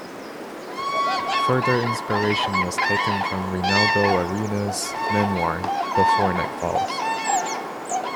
Further inspiration was taken from Reinaldo Arenas' memoir, Before Night Falls.